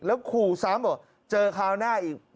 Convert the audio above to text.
แล้วขู่ซ้ำบอกเจอคราวหน้าอีก